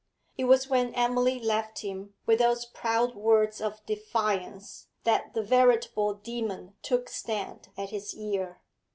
It was when Emily left him with those proud words of defiance that the veritable demon took stand at his ear.